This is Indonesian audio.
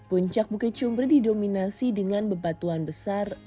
puncak bukit cumbri didominasi dengan bebatuan besar